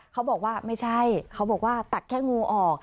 เขาบอกว่าไม่ใช่เขาบอกว่าตักแค่งูออก